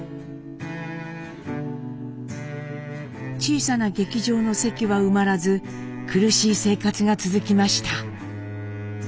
小さな劇場の席は埋まらず苦しい生活が続きました。